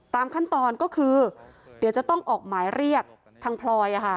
ตามขั้นตอนก็คือเดี๋ยวจะต้องออกหมายเรียกทางพลอย